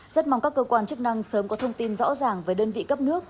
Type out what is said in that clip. rất mong các cơ quan chức năng sớm có thông tin rõ ràng về đơn vị cấp nước